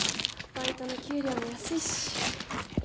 バイトの給料も安いし。